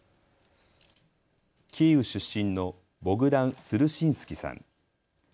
キーウ出身のボグダン・スルシンスキさん。